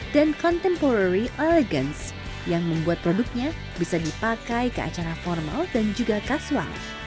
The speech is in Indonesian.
dan contemporary elegance yang membuat produknya bisa dipakai ke acara formal dan juga casual